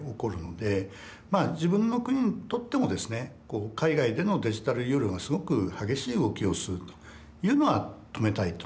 自分の国にとってもですね海外でのデジタルユーロがすごく激しい動きをするというのは止めたいと。